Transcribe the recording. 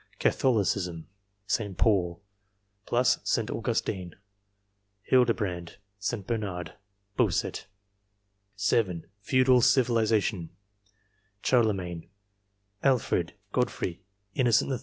Catholicism .... ST. PAUL, tSt. Augustine, Hildebrand, St. Bernard, Bossuet. 7. Feudal civilization . *CHARLEMAGNE, Alfred, Godfrey, Innocent III.